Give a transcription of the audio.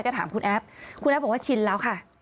ก็ถามคุณแอฟคุณแอฟบอกว่าชินแล้วค่ะ